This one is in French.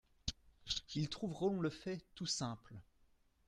Ils trouveront le fait tout simple.